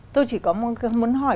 tôi chỉ có một cái muốn hỏi